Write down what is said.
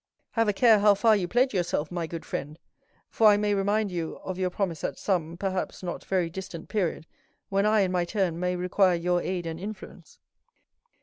"Have a care how far you pledge yourself, my good friend, for I may remind you of your promise at some, perhaps, not very distant period, when I, in my turn, may require your aid and influence."